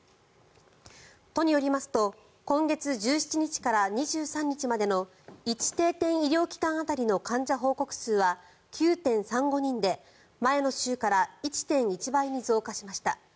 都によりますと今月１７日から２３日までの１定点医療機関当たりの患者報告数は９．３５人で前の週から１．１倍に増加しました。